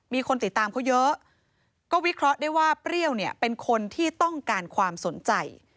มีคนติดตามเขาเยอะก็วิเคราะห์ได้ว่าเปรี้ยวเนี่ยเป็นคนที่ต้องการความสนใจ